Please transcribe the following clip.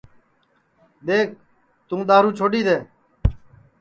دؔیکھ توں دؔارو چھوڈؔی دؔے